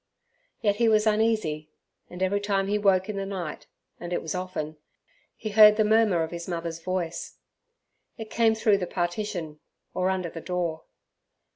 Yet he was uneasy, and every time he woke in the night (and it was often) he heard the murmur of his mother's voice. It came through the partition, or under the door.